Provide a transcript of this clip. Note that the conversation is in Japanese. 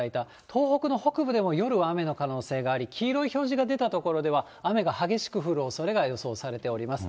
東北の北部でも、夜は雨の可能性があり、黄色い表示が出た所では、雨が激しく降ることが予想されております。